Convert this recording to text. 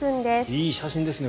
いい写真ですね。